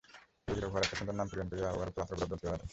কবিরা উহার একটি সুন্দর নামকরণ করিয়া উহার উপর আতর গোলাপজল ছড়াইয়া দেন।